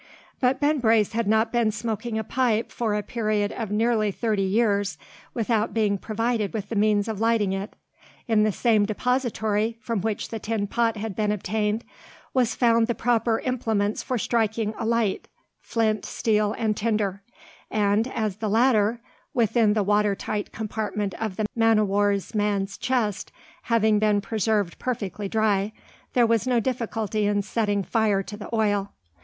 But Ben Brace had not been smoking a pipe for a period of nearly thirty years, without being provided with the means of lighting it. In the same depository from which the tin pot had been obtained was found the proper implements for striking a light, flint, steel, and tinder, and, as the latter, within the water tight compartment of the man o' war's man's chest, having been preserved perfectly dry, there was no difficulty in setting fire to the oil.